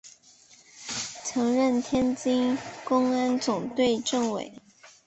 曾任天津公安总队政委。